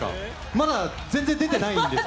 まだ全然出てないんです。